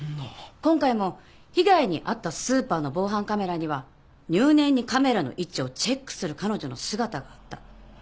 今回も被害に遭ったスーパーの防犯カメラには入念にカメラの位置をチェックする彼女の姿があった。